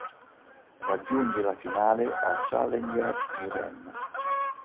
Raggiunge la finale al Challenger di Rennes.